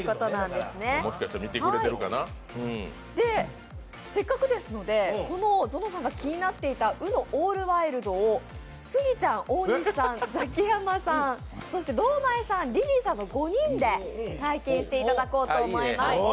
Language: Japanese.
で、せっかくですのでぞのさんが気になっていたＵＮＯＡＬＬＷＩＬＤをスギちゃん、大西さん、ザキヤマさん、そして堂前さん、リリーさんの５人で体験していただこうと思います。